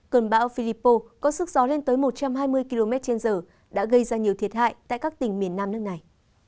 cơn bão philippo có sức gió lên tới một trăm hai mươi km trên giờ đã gây ra nhiều thiệt hại tại các tỉnh miền nam nước này